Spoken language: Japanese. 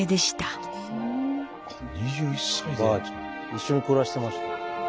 一緒に暮らしてました。